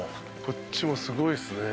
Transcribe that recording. こっちもすごいっすね。